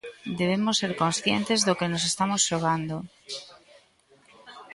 Debemos ser conscientes do que nos estamos xogando.